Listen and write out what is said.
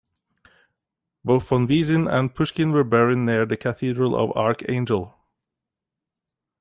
Both Fonvizin and Pushchin were buried near the Cathedral of Archangel.